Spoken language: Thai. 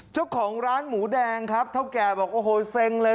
เจ้าของร้านหมูแดงครับเท่าแก่บอกโอ้โหเซ็งเลย